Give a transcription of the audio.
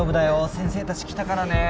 先生たち来たからね。